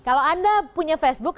kalau anda punya facebook